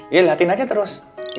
iya liatin aja terus